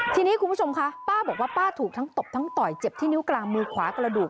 ทีนี้คุณผู้ชมคะป้าบอกว่าป้าถูกทั้งตบทั้งต่อยเจ็บที่นิ้วกลางมือขวากระดูก